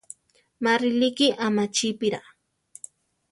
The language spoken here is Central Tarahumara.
Má rilíki amachípira.